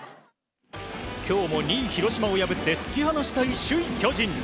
今日も２位、広島を破って突き放したい首位、巨人。